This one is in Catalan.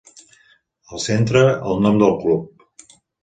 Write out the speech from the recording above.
Al centre, el nom del Club.